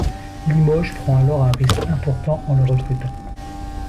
Limoges prend alors un risque important en le recrutant.